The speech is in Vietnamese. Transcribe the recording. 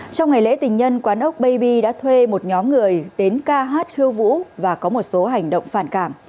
trong ngày lễ tình nhân quán ốc baby đã thuê một nhóm người đến ca hát khiêu vũ và có một số hành động phản cảm